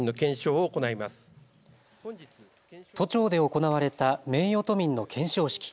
都庁で行われた名誉都民の顕彰式。